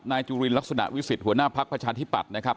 นายจุรินรักษณะวิสิทธิ์หัวหน้าภาคประชาธิบัตินะครับ